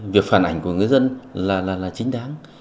việc phản ảnh của người dân là chính đáng